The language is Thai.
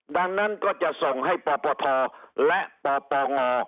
ดังนั้นก็จะส่งให้ปปทและปปง